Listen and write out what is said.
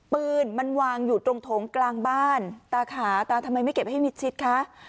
ปืนมันวางอยู่ตรงโถงกลางบ้านตาขาตาทำไมไม่เก็บให้มิดชิดคะ